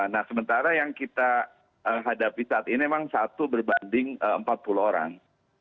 nah sementara yang kita hadapi saat ini memang satu berbanding empat puluh orang